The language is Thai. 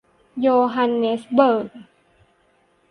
โยฮันเนสเบิร์ก